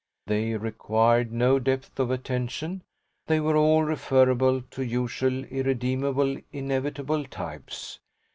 They required no depth of attention they were all referable to usual irredeemable inevitable types.